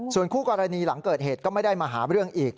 ส่วนคู่กรณีหลังเกิดเหตุก็ไม่ได้มาหาเรื่องอีก